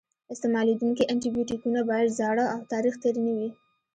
استعمالیدونکي انټي بیوټیکونه باید زاړه او تاریخ تېر نه وي.